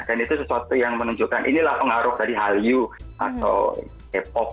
dan itu sesuatu yang menunjukkan inilah pengaruh tadi hallyu atau hip hop